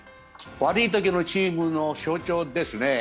悪いときのチームの象徴ですね。